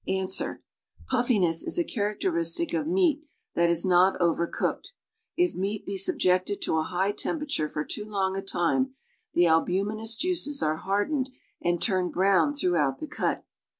Ans. ■■Puffiness" is a characteristic of meat that is not over cooked. If meat l>e suhjct tod to a high tempera lure for loo long' a luue, the alliuminous juices are hardened and turned brown through out the cut.